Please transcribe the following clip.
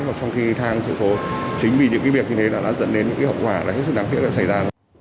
và sau khi thang sự cố chính vì những cái việc như thế là đã dẫn đến những cái hậu quả là hết sức đáng tiếc đã xảy ra